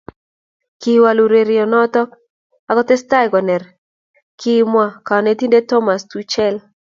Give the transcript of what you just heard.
Kiwal urerieonoto ako tesetai konere, kimwa konetinte Thomas Tuchel.